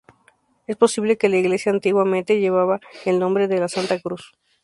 Es posible que la iglesia antiguamente llevaba el nombre de la Santa Cruz.